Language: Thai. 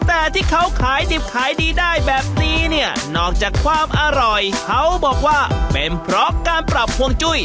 แต่ที่เขาขายดิบขายดีได้แบบนี้เนี่ยนอกจากความอร่อยเขาบอกว่าเป็นเพราะการปรับฮวงจุ้ย